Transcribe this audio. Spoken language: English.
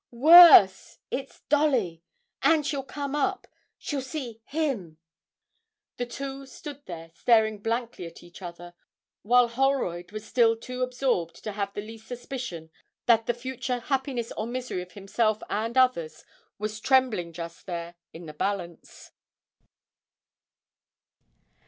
'Worse! it's Dolly and she'll come up. She'll see him!' The two stood there staring blankly at each other, while Holroyd was still too absorbed to have the least suspicion that the future happiness or misery of himself and others was trembling just then in the balance.